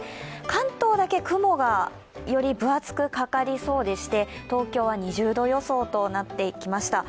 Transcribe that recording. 関東だけ雲が、より分厚くかかりそうでして東京は２０度予想となってきました。